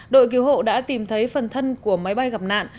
đội cứu hộ đã tìm thấy phần thân của máy bay gặp nạn